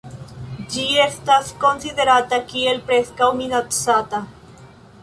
Ĝi estas konsiderata kiel Preskaŭ Minacata.